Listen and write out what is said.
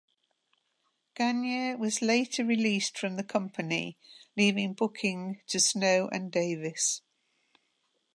Gagne was later released from the company, leaving booking to Snow and Davis.